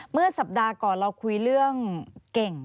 เมื่อสัปดาห์ก่อนเราคุยเรื่องเก่ง